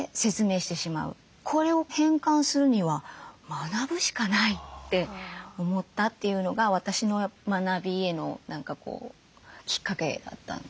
これを変換するには学ぶしかないって思ったというのが私の学びへのきっかけだったんですよね。